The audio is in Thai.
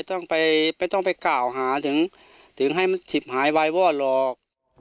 ไม่ต้องไปกล่าวหาถึงให้มันฉิบหายไววอดหรอก